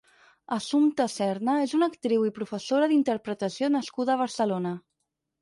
Assumpta Serna és una actriu i professora d'interpretació nascuda a Barcelona.